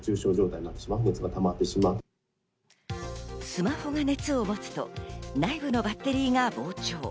スマホが熱を持つと内部のバッテリーが膨張。